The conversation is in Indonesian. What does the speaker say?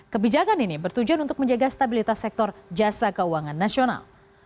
kebijakan ini bertujuan untuk menjaga stabilitas sektor jasa keuangan nasional